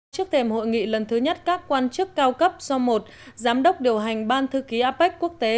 trước thềm hội nghị lần thứ nhất các quan chức cao cấp so một giám đốc điều hành ban thư ký apec quốc tế